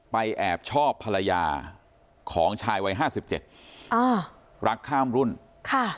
แอบชอบภรรยาของชายวัยห้าสิบเจ็ดอ่ารักข้ามรุ่นค่ะ